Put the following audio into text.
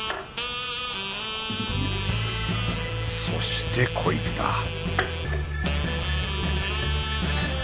そしてこいつだ